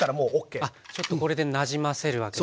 ちょっとこれでなじませるわけですね。